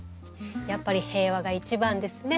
やっぱり平和が一番ですね。